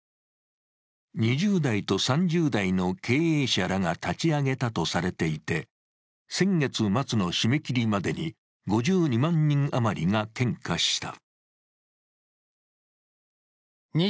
２０代と３０代の経営者らが立ち上げたとされていて、先月末の締め切りまでに５２万人余りが献花した。